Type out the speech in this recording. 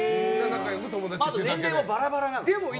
年齢もバラバラなので。